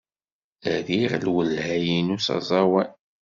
Rriɣ lwelha-inu s aẓawan.